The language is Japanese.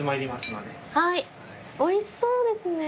おいしそうですね。